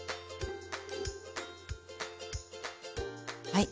はい。